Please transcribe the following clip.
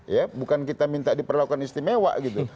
ya bukan kita minta diperlakukan istimewa gitu